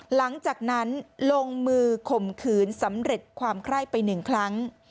หลังจากนั้นลงมือข่มขืนสำเร็จความไคร้ไป๑ครั้ง